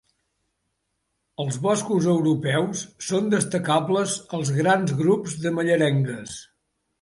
Als boscos europeus són destacables els grans grups de mallerengues.